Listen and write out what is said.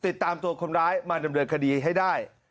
ติดตามตัวคนร้ายมาดำเนินคดีให้ได้